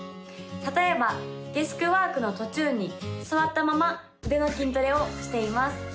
例えばデスクワークの途中に座ったまま腕の筋トレをしています